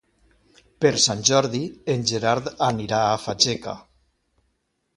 Per Sant Jordi en Gerard anirà a Fageca.